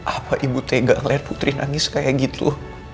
apa ibu tega ngeliat putri nangis kayak gitu